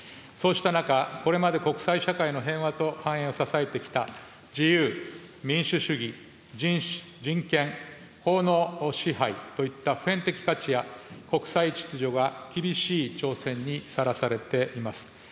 そうした中、これまで国際社会の平和と繁栄を支えてきた、自由、民主主義、人種、人権、法の支配といった普遍的価値や国際秩序が厳しい挑戦にさらされています。